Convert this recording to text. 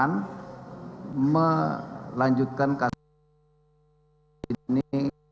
dan juga untuk melanjutkan kasus ini